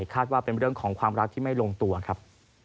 คาดว่าเป็นเรื่องของความรักที่ไม่ลงตัวครับ